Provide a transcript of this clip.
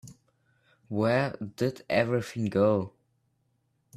Where did everything go?